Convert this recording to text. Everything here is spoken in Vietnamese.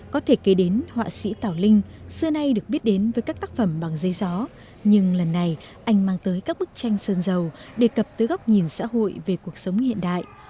có thể kể đến họa sĩ tào linh xưa nay được biết đến với các tác phẩm bằng dây gió nhưng lần này anh mang tới các bức tranh sơn dầu đề cập tới góc nhìn xã hội về cuộc sống hiện đại